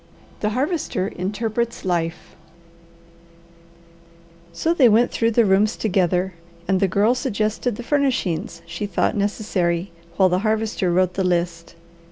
THE HARVESTER INTERPRETS LIFE They went through the rooms together, and the Girl suggested the furnishings she thought necessary, while the Harvester wrote the list.